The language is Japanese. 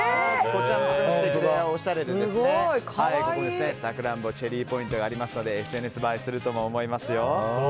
こちらもおしゃれで、サクランボチェリーポイントがありますのでＳＮＳ映えするとも思いますよ。